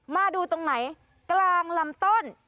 มาดูตรงไหนกลางลำต้น